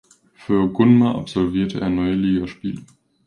Für Gunma absolvierte er neun Ligaspiele.